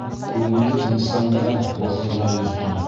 Күңелде тынысландыра был Хоҙай йорто.